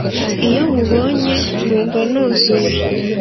iyo nkubonye numva nuzuye"